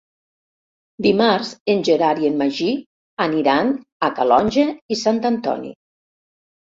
Dimarts en Gerard i en Magí aniran a Calonge i Sant Antoni.